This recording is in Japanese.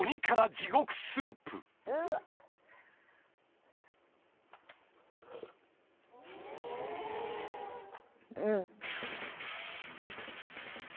地獄スープうん